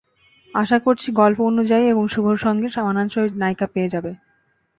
আশা করছি, গল্প অনুযায়ী এবং শুভর সঙ্গে মানানসই নায়িকা পেয়ে যাব।